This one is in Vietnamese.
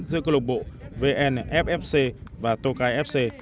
giữa cơ lộc bộ vnffc và tokai fc